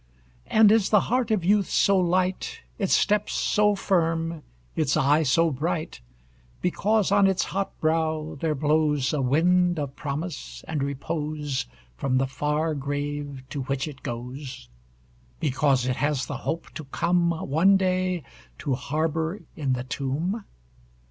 And is the heart of youth so light, Its step so firm, its eye so bright, Because on its hot brow there blows A wind of promise and repose From the far grave, to which it goes; Because it has the hope to come, One day, to harbor in the tomb?